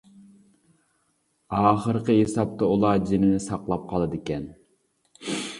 ئاخىرقى ھېسابتا ئۇلار جېنىنى ساقلاپ قالىدىكەن.